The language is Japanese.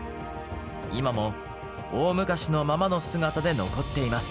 今も大昔のままの姿で残っています。